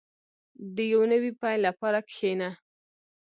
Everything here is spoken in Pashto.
• د یو نوي پیل لپاره کښېنه.